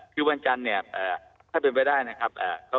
คือวันจันทร์เนี่ยถ้าเป็นไปได้นะครับ